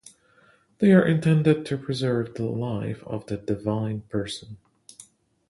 They are intended to preserve the life of the divine person.